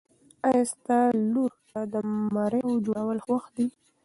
ایا ستا لور ته د مریو جوړول خوښ دي؟